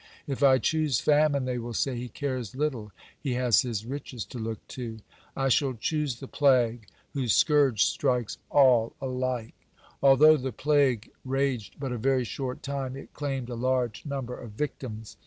If I choose famine, they will say, 'He cares little, he has his riches to look to.' I shall choose the plague, whose scourge strikes all alike." (121) Although the plague raged but a very short time, (122) it claimed a large number of victims.